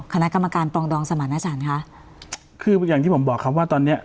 คณะกรรมการปรองดองสมรรถอาจารย์คะคืออย่างที่ผมบอกครับว่าตอนเนี้ย